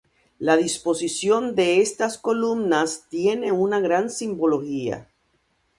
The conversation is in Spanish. La disposición de estas columnas tiene una gran simbología.